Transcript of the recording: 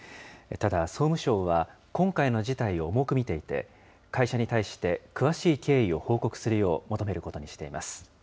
ただ、総務省は、今回の事態を重く見ていて、会社に対して、詳しい経緯を報告するよう求めることにしています。